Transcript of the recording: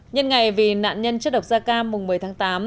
nhân ngày vì nạn nhân chất độc gia cam một mươi tháng tám